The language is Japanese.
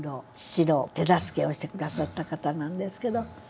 父の手助けをして下さった方なんですけど。